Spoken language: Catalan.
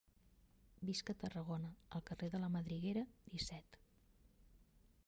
Visc a Tarragona, al carrer de la Madriguera, disset.